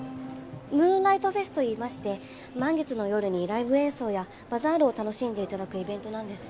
ムーンライト・フェスと言いまして満月の夜にライブ演奏やバザールを楽しんで頂くイベントなんです。